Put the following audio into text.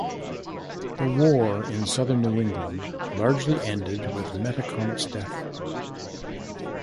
The war in southern New England largely ended with Metacomet's death.